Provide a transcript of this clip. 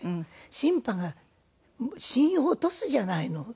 「新派が信用落とすじゃないの！」。